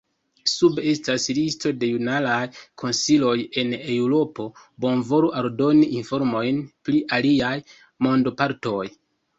Sube estas listo de junularaj konsilioj en Eŭropo, bonvolu aldoni informojn pri aliaj mondopartoj.